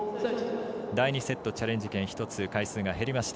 第２セット、チャレンジ権１つ回数が減りました。